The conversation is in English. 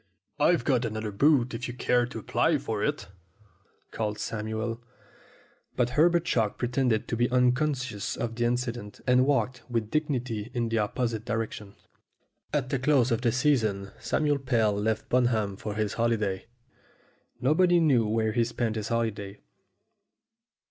"I've got another boot if you care to apply for it," called Samuel. But Herbert Chalk pretended to be unconscious of the incident, and walked with dignity in the opposite direction. At the close of the season Samuel Pell left Bunham for his holiday. Nobody knew where he spent his holiday.